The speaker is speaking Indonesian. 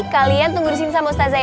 kalian tunggu di sini sama ustazah ya